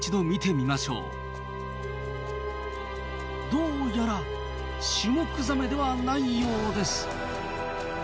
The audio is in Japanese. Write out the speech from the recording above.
どうやらシュモクザメではないようです。